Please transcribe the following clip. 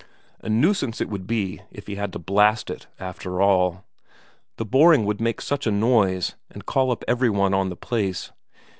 A nuisance it would be if he had to blast it, after all. The boring would make such a noise, and call up every one on the place.